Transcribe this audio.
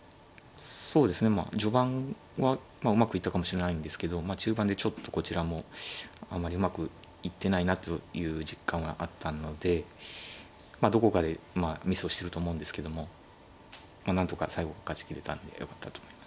そうですねまあ序盤はうまくいったかもしれないんですけどまあ中盤でちょっとこちらもあんまりうまくいってないなという実感はあったのでまあどこかでミスをしてると思うんですけどもまあなんとか最後勝ちきれたんでよかったと思います。